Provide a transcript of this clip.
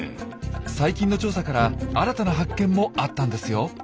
最近の調査から新たな発見もあったんですよ。